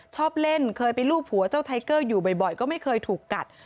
ชอบเล่นเคยไปลูบหัวเจ้าไทเกอร์อยู่บ่อยก็ไม่เคยถูกกัด